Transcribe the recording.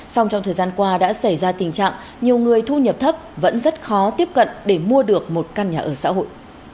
xong trong thời gian qua đã xảy ra tình trạng nhiều người thu nhập thấp vẫn rất khó tiếp cận để mua được một căn nhà ở xã hội